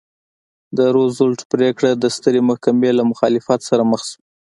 د روزولټ پرېکړه د سترې محکمې له مخالفت سره مخ شوه.